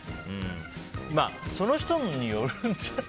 その人によるんじゃない？